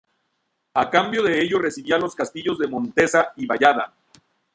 A cambio de ello recibía los castillos de Montesa y Vallada.